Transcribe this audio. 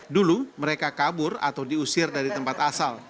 dulu mereka kabur atau diusir dari tempat asal